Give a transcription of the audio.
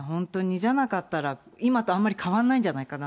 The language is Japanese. じゃなかったら、今とあんまり変わらないんじゃないかなと。